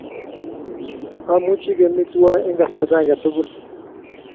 Amuchi kemi tuwai eng kasarta age tugul